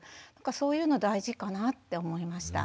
そういうの大事かなって思いました。